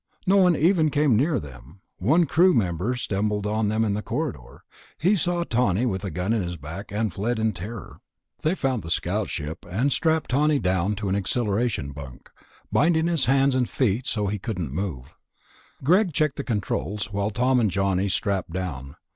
No one even came near them. One crewman stumbled on them in the corridor; he saw Tawney with a gun in his back, and fled in terror. They found the scout ship, and strapped Tawney down to an accelleration bunk, binding his hands and feet so he couldn't move. Greg checked the controls while Tom and Johnny strapped down.